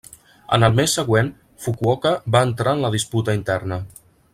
En el mes següent, Fukuoka va entrar en la disputa interna.